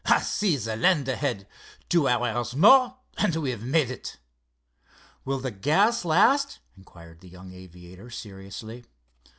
"I see the land ahead—two hours more, and we've made it." "Will the gas last?" inquired the young aviator, seriously.